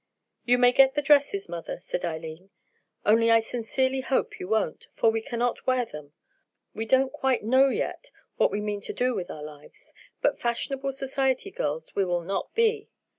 "You may get the dresses, mother," said Eileen, "only I sincerely hope you won't, for we cannot wear them. We don't quite know yet what we mean to do with our lives; but fashionable society girls we will not be.